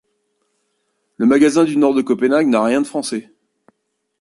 Le Magasin du Nord de Copenhague n'a rien de français.